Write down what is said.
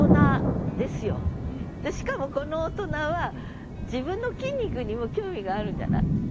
しかもこの大人は自分の筋肉にも興味があるんじゃない？